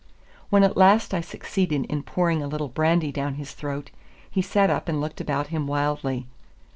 When at last I succeeded in pouring a little brandy down his throat, he sat up and looked about him wildly.